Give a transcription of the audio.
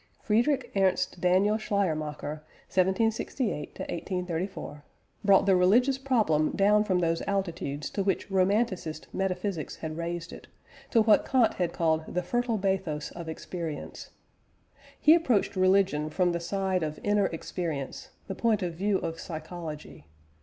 Friedrich Ernst Daniel Schleiermacher (1768 1834) brought the religious problem down from those altitudes to which Romanticist metaphysics had raised it, to what Kant had called "the fertile bathos of experience." He approached religion from the side of inner experience, the point of view of psychology.